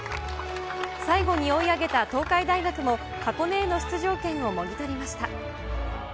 最後に追い上げた東海大学も箱根への出場権をもぎ取りました。